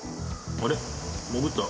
あれ？